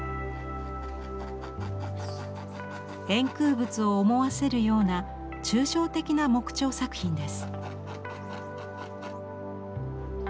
円空仏を思わせるような抽象的な木彫作品です。